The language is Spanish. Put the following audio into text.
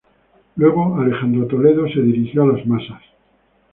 Luego, Alejandro Toledo se dirigió a las masas.